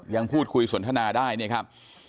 ยังพูดคุยสนทนาได้นะครับ